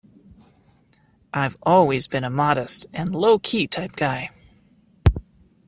I've always been a modest and low-key type guy.